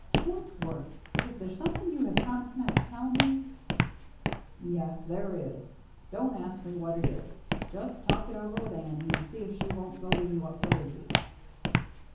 "What work? Is there something you have promised not to tell me ?" "Yes, there is. Don't ask me what it is. Just talk it over with Annie, and see if she won't go with you up to Lizzie's."